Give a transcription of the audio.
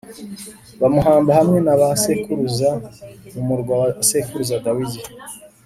bamuhamba hamwe na ba sekuruza mu murwa wa sekuruza Dawidi